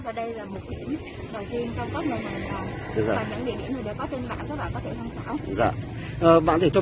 và đây là một địa điểm đầu tiên trong cấp nền mạng và những địa điểm này đã có tên bản các bạn có thể tham khảo